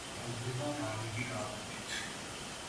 მრავლდება განივი გაყოფით.